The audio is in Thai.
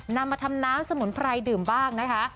นำมาทำน้ำสมุนไพรดื่มบ้างนะคะ